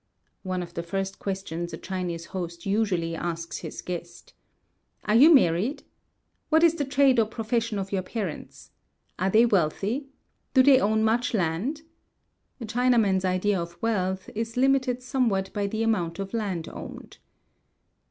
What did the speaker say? [One of the first questions a Chinese host usually asks his guest.] Are you married? What is the trade or profession of your parents? Are they wealthy? Do they own much land?" (A Chinaman's idea of wealth is limited somewhat by the amount of land owned.)